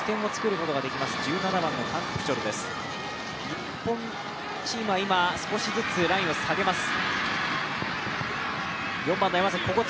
日本チームは、今少しずつラインを下げます。